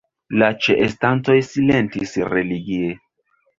La ĉeestantoj silentis religie.